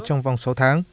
trong vòng sáu tháng